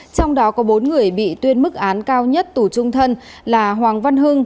trong đó có bốn người bị tuyên mức án cao nhất tù trung thân là hoàng văn hưng